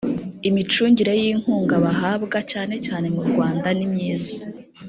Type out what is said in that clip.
imicungire y inkunga bahabwa cyane cyane murwanda nimyiza